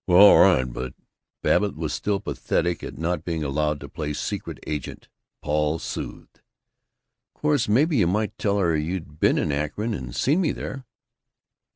"Well, all right, but " Babbitt was still pathetic at not being allowed to play Secret Agent. Paul soothed: "Course maybe you might tell her you'd been in Akron and seen me there."